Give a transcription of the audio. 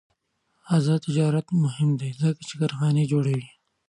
آزاد تجارت مهم دی ځکه چې کارخانې جوړوي.